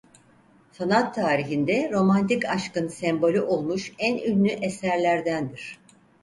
Sanat tarihinde romantik aşkın sembolü olmuş en ünlü eserlerdendir.